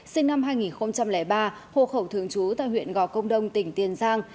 sinh năm hai nghìn ba hồ khẩu thường trú tại huyện gò công đông tỉnh tiền giang